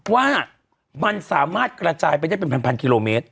ว่ามันสามารถกระจายไปได้เป็นพันกิโลเมตร